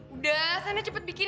udah saya udah cepet bikinin